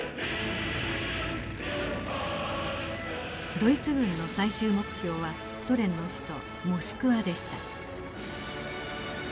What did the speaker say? ドイツ軍の最終目標はソ連の首都モスクワでした。